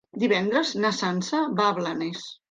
Divendres na Sança va a Blanes.